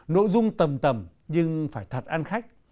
nội dung tầm tầm nhưng phải thật ăn khách